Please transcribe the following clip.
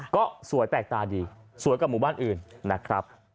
ก็สวยแปลกตาดีสวยกว่าหมู่บ้านอื่นนะครับ